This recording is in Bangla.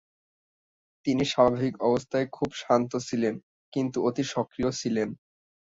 তিনি স্বাভাবিক অবস্থায় খুব শান্ত ছিলেন কিন্তু অতি সক্রিয় ছিলেন।